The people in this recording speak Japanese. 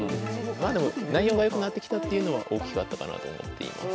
まあでも内容が良くなってきたっていうのは大きかったかなと思っています。